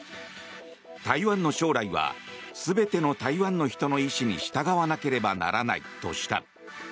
台湾の将来は全ての台湾の人の意思に従わなければならないとした。